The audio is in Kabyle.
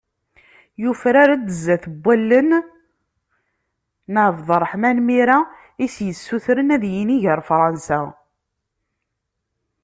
Yufrar-d sdat wallen n ƐAbdeṛṛeḥman Mira i as-yessutren ad yinig ɣer Fṛansa.